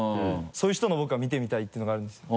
そういう人のを僕は見てみたいていうのがあるんですよ。